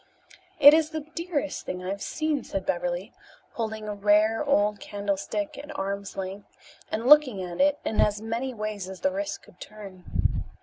"It is the dearest thing I have seen," said Beverly, holding a rare old candlestick at arm's length and looking at it in as many ways as the wrist could turn.